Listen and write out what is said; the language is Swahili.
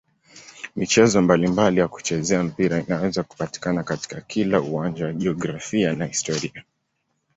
Michezo mbalimbali ya kuchezea mpira inaweza kupatikana katika kila uwanja wa jiografia na historia.